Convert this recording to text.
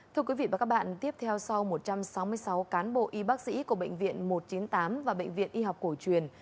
thưa quý vị và các bạn tiếp theo sau một trăm sáu mươi sáu cán bộ y bác sĩ của bệnh viện một trăm chín mươi tám và bệnh viện y học cổ truyền